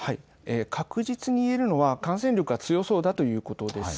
確実に言えるのは感染力が強そうだということです。